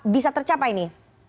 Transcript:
bisa tercapai ini